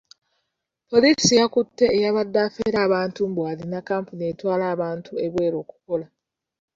Poliisi yakutte eyabadde affera abantu mbu alina kampuni etwala abantu ebweru okukola.